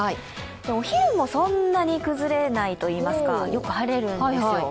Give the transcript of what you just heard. お昼もそんなに崩れないといいますか、よく晴れるんですよ。